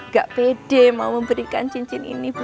gak pede mau memberikan cincin ini buat mbak jen